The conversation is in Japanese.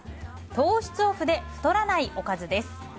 糖質オフで太らないおかずです。